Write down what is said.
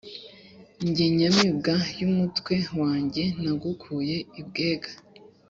Jye nyamibwa y' umutwe wanjyeNagukuye i Bwega